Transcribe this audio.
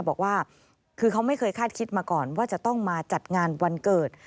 บอกว่าคือเขาไม่เคยคาดคิดมาก่อนว่าจะต้องมาจัดงานวันเกิด